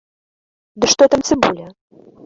Ды што там цыбуля!